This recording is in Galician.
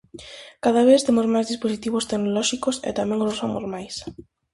Cada vez temos máis dispositivos tecnolóxicos e tamén os usamos máis.